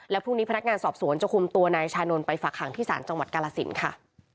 พรุ่งนี้พนักงานสอบสวนจะคุมตัวนายชานนท์ไปฝากหางที่ศาลจังหวัดกาลสินค่ะ